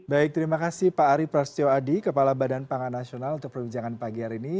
baik terima kasih pak ari prasetyo adi kepala badan pangan nasional untuk perbincangan pagi hari ini